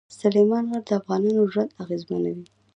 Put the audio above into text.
سلیمان غر د افغانانو ژوند اغېزمنوي.